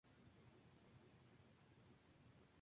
Este es el último episodio de Los Simpsons en calidad estándar.